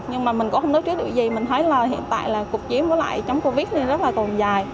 nhưng mà mình cũng không nói trước được gì mình thấy là hiện tại là cuộc chiến với lại chống covid này rất là còn dài